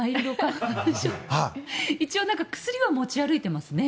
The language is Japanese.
だから一応薬は持ち歩いていますね。